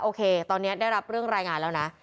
โอเคตอนนี้ได้รับเรื่องรายงานแล้วนะ